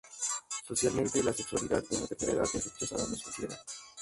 Socialmente la sexualidad en la tercera edad es rechazada o no es considerada.